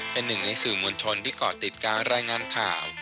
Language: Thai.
เป็นหนึ่งในสื่อมวลชนที่เกาะติดการรายงานข่าว